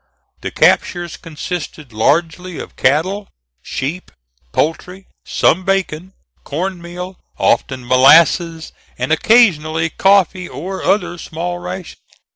The captures consisted largely of cattle, sheep, poultry, some bacon, cornmeal, often molasses, and occasionally coffee or other small rations.